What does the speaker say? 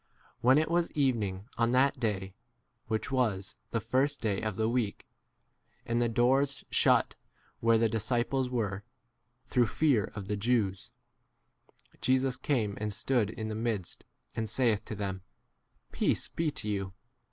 When it was evening on that day, [which was] the first day of the week, and the doors shut where the disciples were,P through fear of the Jews, Jesus came and stood in the midst and saith to them, 20 Peace [be] to you.